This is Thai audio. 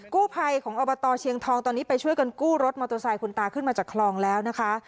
กู้ภัยของอบตเชียงทองตอนนี้ไปช่วยกันกู้รถมอเตอร์ไซค์คุณตาขึ้นมาจากคลองแล้วนะคะ